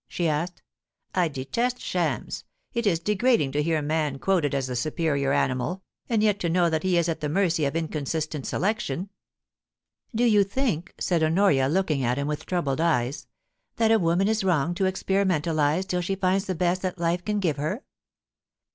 she asked. * I detest shams. It is degrading to hear man quoted as the superior animal, and yet to know that he is at the mercy of inconsistent selection.' * Do you think,' said Honoria, looking at him with troubled eyes, *that a woman is wrong to experimentalise till she finds the best that life can give her